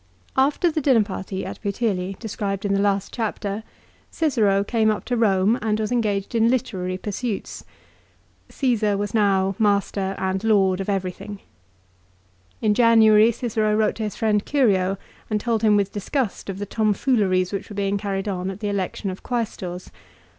AFTER the dinner party at Puteoli described in the last chapter, Cicero came up to Eome and was engaged in B c 44 literary pursuits. Cassar was now master and lord eetat. 63. O f ever ything. In January Cicero wrote to his friend Curio and told him with disgust of the tomfooleries which were being carried on at the election of Quaestors.